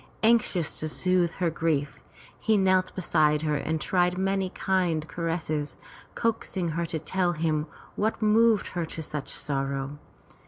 Anxious to soothe her grief, he knelt beside her and tried many a kind caress, coaxing her to tell him what moved her to such sorrow.